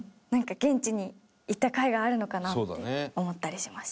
現地に行ったかいがあるのかなって思ったりしました。